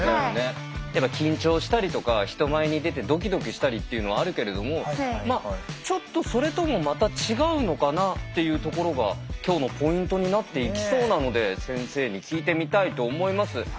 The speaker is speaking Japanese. やっぱ緊張したりとか人前に出てドキドキしたりっていうのはあるけれどもちょっとそれともまた違うのかなっていうところが今日のポイントになっていきそうなので先生に聞いてみたいと思います。